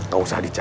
tak usah ditanya